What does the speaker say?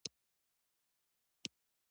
مچمچۍ خپلې ملګرې پېژني